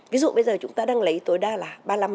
ví dụ bây giờ chúng ta đang lấy tối đa là ba mươi năm